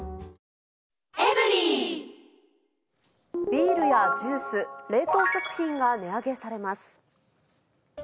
ビールやジュース、冷凍食品が値上げされます。